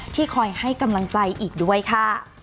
ที่คอยให้กำลังใจอีกด้วยค่ะ